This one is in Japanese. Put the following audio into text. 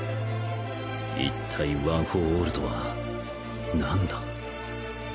一体ワン・フォー・オールとは何だ？